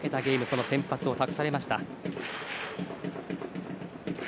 その先発を託されました。